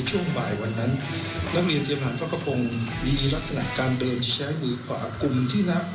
ในช่วงบ่ายวันนั้นนักเรียนเตรียมภาพภพรมมีลักษณะการเดินหรือใช้มือกว่ากุมที่๖